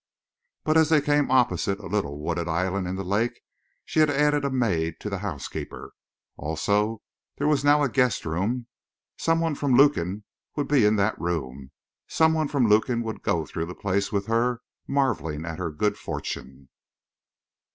But as they came opposite a little wooded island in the lake she had added a maid to the housekeeper. Also, there was now a guest room. Some one from Lukin would be in that room; some one from Lukin would go through the place with her, marveling at her good fortune.